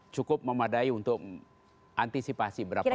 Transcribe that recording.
cukup memadai untuk antisipasi berapa